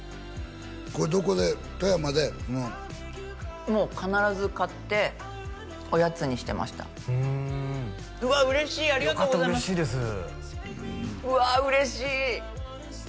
これどこで富山でそのもう必ず買っておやつにしてましたふん嬉しいありがとうございますよかった嬉しいですうわ